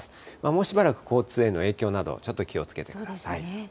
もうしばらく、交通への影響など、ちょっと気をつけてください。